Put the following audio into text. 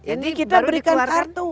ini kita berikan kartu